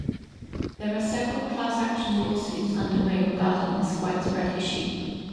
There are several class-action lawsuits underway regarding this widespread issue.